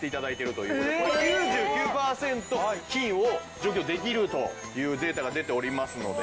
これ９９パーセント菌を除去できるというデータが出ておりますので。